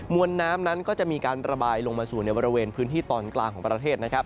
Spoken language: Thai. วนน้ำนั้นก็จะมีการระบายลงมาสู่ในบริเวณพื้นที่ตอนกลางของประเทศนะครับ